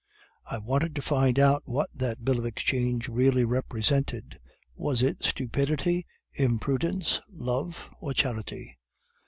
I wanted to find out what that bill of exchange really represented. Was it stupidity, imprudence, love or charity?